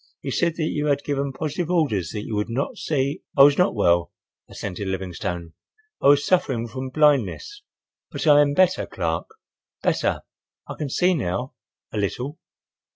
He said that you had given positive orders that you would not see—" "I was not well," assented Livingstone. "I was suffering from blindness. But I am better, Clark, better. I can see now—a little."